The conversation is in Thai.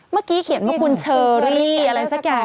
เมื่อกี้เขียนว่าคุณเชอรี่อะไรสักอย่าง